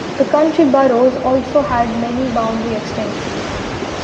The county boroughs also had many boundary extensions.